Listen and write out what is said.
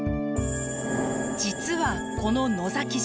実はこの野崎島